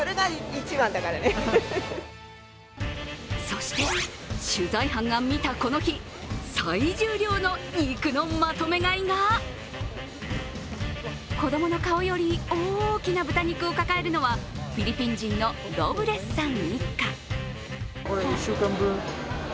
そして取材班が見た、この日最重量の肉のまとめ買いが、子供の顔より大きな豚肉を抱えるのはフィリピン人のロブレスさん一家。